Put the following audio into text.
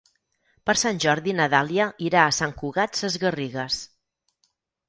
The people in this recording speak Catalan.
Per Sant Jordi na Dàlia irà a Sant Cugat Sesgarrigues.